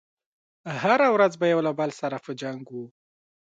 هره ورځ به يو له بل سره په جنګ و.